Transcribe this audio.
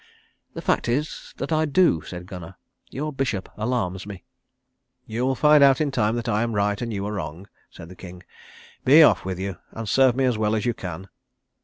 "The fact is, that I do," said Gunnar. "Your bishop alarms me." "You will find out in time that I am right and you wrong," said the king. "Be off with you, and serve me as well as you can."